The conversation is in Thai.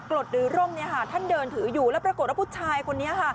กรดหรือร่มท่านเดินถืออยู่แล้วปรากฏว่าผู้ชายคนนี้